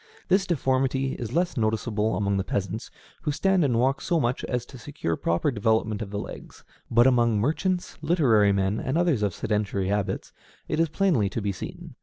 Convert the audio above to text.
This deformity is less noticeable among the peasants, who stand and walk so much as to secure proper development of the legs; but among merchants, literary men, and others of sedentary habits, it is most plainly to be seen.